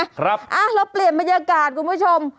ครับแล้วเปลี่ยนบรรยากาศคุณผู้ชม